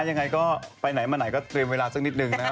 ยังไงก็ไปไหนมาไหนก็เตรียมเวลาสักนิดนึงนะครับ